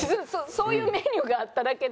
そういうメニューがあっただけで。